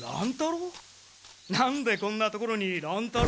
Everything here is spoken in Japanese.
なんでこんな所に乱太郎。